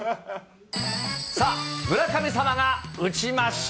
さあ、村神様が打ちました。